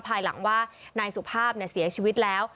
ภายหลังว่านายสุภาพเสียชีวิตแล้ว